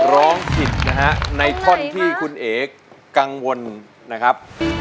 ร้องผิดนะฮะในท่อนที่คุณเอ๋กังวลนะครับ